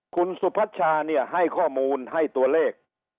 คุณสุพัชชาเนี่ยให้ข้อมูลให้ตัวเลข